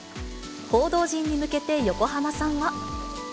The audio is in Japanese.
報道陣に向けて横浜さんは。